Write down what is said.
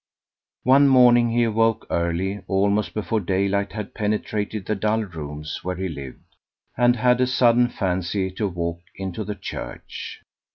] One morning he awoke early, almost before daylight had penetrated the dull rooms where he lived, and had a sudden fancy to walk into the church.